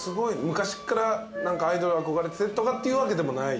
昔から何かアイドル憧れてとかっていうわけでもない？